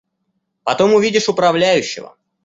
Потом увидишь управляющего.